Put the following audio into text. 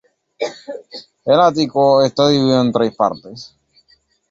El ático está dividido en tres partes.